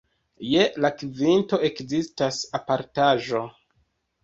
Je la kvinto ekzistas apartaĵo.